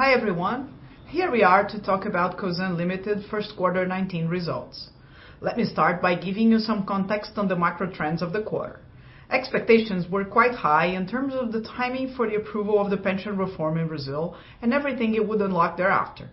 Hi, everyone. Here we are to talk about Cosan Limited first quarter 2019 results. Let me start by giving you some context on the macro trends of the quarter. Expectations were quite high in terms of the timing for the approval of the pension reform in Brazil and everything it would unlock thereafter.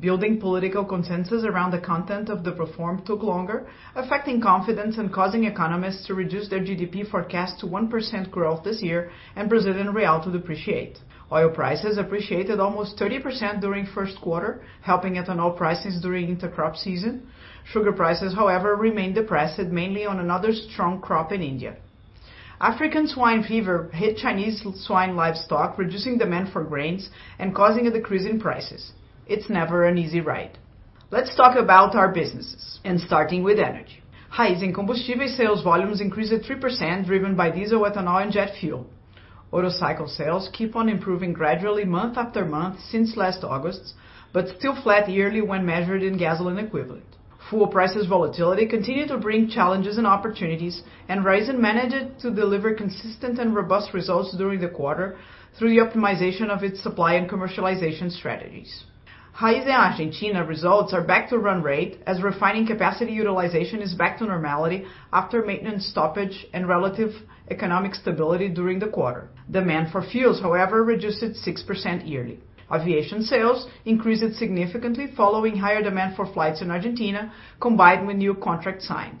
Building political consensus around the content of the reform took longer, affecting confidence and causing economists to reduce their GDP forecast to 1% growth this year and Brazilian real to depreciate. Oil prices appreciated almost 30% during the first quarter, helping ethanol prices during the intercrop season. Sugar prices, however, remained depressed, mainly on another strong crop in India. African swine fever hit Chinese swine livestock, reducing demand for grains and causing a decrease in prices. It's never an easy ride. Let's talk about our businesses, starting with energy. Raízen Combustíveis sales volumes increased 3%, driven by diesel, ethanol, and jet fuel. Motorcycle sales keep on improving gradually month after month since last August, but still flat yearly when measured in gasoline equivalent. Fuel prices volatility continued to bring challenges and opportunities. Raízen managed to deliver consistent and robust results during the quarter through the optimization of its supply and commercialization strategies. Raízen Argentina results are back to run rate as refining capacity utilization is back to normality after a maintenance stoppage and relative economic stability during the quarter. Demand for fuels, however, reduced 6% yearly. Aviation sales increased significantly following higher demand for flights in Argentina, combined with new contracts signed.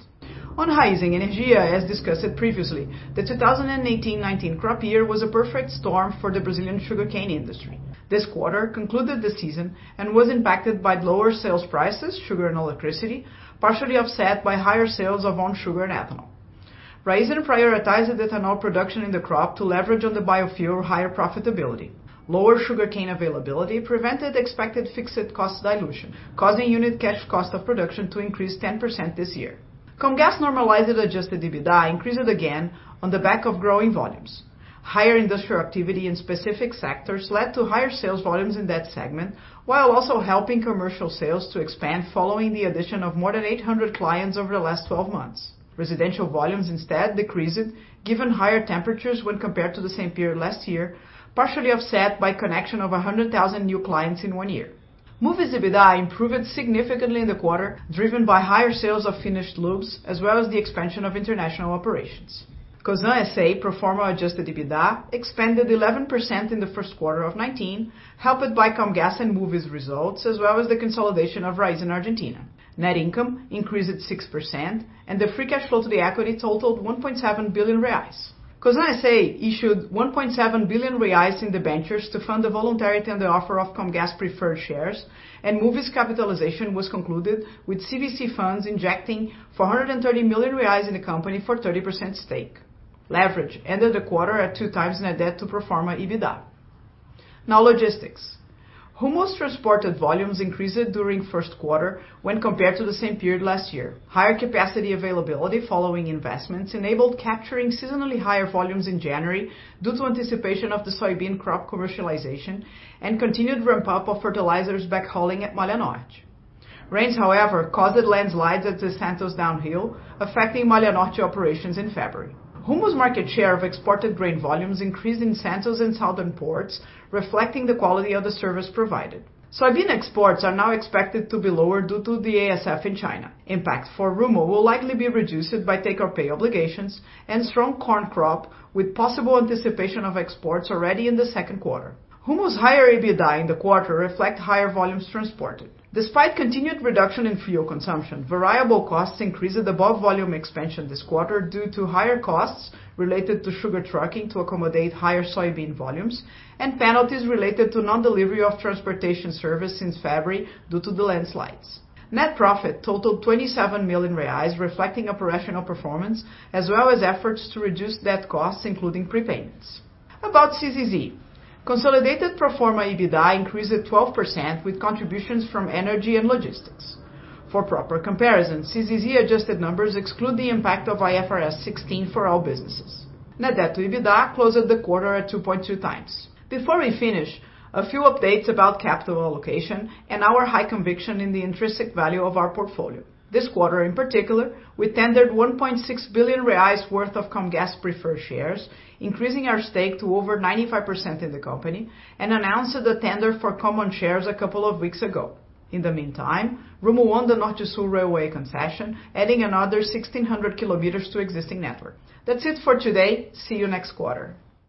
On Raízen Energia, as discussed previously, the 2018-2019 crop year was a perfect storm for the Brazilian sugarcane industry. This quarter concluded the season and was impacted by lower sales prices, sugar and electricity, partially offset by higher sales of owned sugar and ethanol. Raízen prioritized ethanol production in the crop to leverage on the biofuel higher profitability. Lower sugarcane availability prevented expected fixed cost dilution, causing unit cash cost of production to increase 10% this year. Comgás normalized adjusted EBITDA increased again on the back of growing volumes. Higher industrial activity in specific sectors led to higher sales volumes in that segment, while also helping commercial sales to expand following the addition of more than 800 clients over the last 12 months. Residential volumes instead decreased given higher temperatures when compared to the same period last year, partially offset by connection of 100,000 new clients in one year. Moove EBITDA improved significantly in the quarter, driven by higher sales of finished lubes, as well as the expansion of international operations. Cosan S.A. pro forma adjusted EBITDA expanded 11% in the first quarter of 2019, helped by Comgás and Moove results, as well as the consolidation of Raízen Argentina. Net income increased 6%, and the free cash flow to the equity totaled 1.7 billion reais. Cosan S.A. issued 1.7 billion reais in debentures to fund the voluntary tender offer of Comgás preferred shares, and Moove capitalization was concluded, with CVC funds injecting 430 million reais in the company for a 30% stake. Leverage ended the quarter at two times net debt to pro forma EBITDA. Now logistics. Rumo's transported volumes increased during the first quarter when compared to the same period last year. Higher capacity availability following investments enabled capturing seasonally higher volumes in January due to anticipation of the soybean crop commercialization and continued ramp-up of fertilizers backhauling at Malha Norte. Rains, however, caused landslides at the Santos downhill, affecting Malha Norte operations in February. Rumo's market share of exported grain volumes increased in Santos and southern ports, reflecting the quality of the service provided. Soybean exports are now expected to be lower due to the ASF in China. Impact for Rumo will likely be reduced by take-or-pay obligations and strong corn crop with possible anticipation of exports already in the second quarter. Rumo's higher EBITDA in the quarter reflects higher volumes transported. Despite continued reduction in fuel consumption, variable costs increased above volume expansion this quarter due to higher costs related to sugar trucking to accommodate higher soybean volumes and penalties related to non-delivery of transportation service since February due to the landslides. Net profit totaled 27 million reais, reflecting operational performance, as well as efforts to reduce debt costs, including prepayments. About CZZ. Consolidated pro forma EBITDA increased 12% with contributions from Energy and Logistics. For proper comparison, CZZ adjusted numbers exclude the impact of IFRS 16 for all businesses. Net debt to EBITDA closed the quarter at 2.2 times. Before we finish, a few updates about capital allocation and our high conviction in the intrinsic value of our portfolio. This quarter, in particular, we tendered 1.6 billion reais worth of Comgás preferred shares, increasing our stake to over 95% in the company, announced the tender for common shares a couple of weeks ago. In the meantime, Rumo won the Norte-Sul railway concession, adding another 1,600 kilometers to existing network. That's it for today. See you next quarter.